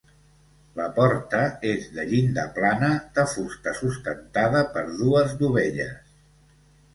La porta és de llinda plana de fusta sustentada per dues dovelles.